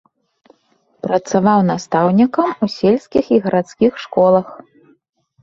Працаваў настаўнікам у сельскіх і гарадскіх школах.